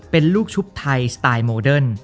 เป็นลูกชุบไทยสไตล์โมเดิร์น